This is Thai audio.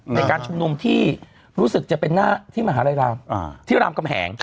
ในการชุมนุมที่รู้สึกจะเป็นหน้าที่มหาลัยรามที่รามกำแหง